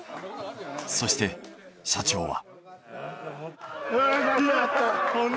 そして社長は。